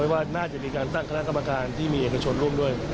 ว่าน่าจะมีการตั้งคณะกรรมการที่มีเอกชนร่วมด้วย